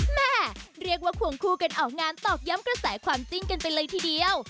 แม่เรียกว่าควงคู่กันออกงานตอกย้ำกระแสความจิ้นกันไปเลยทีเดียว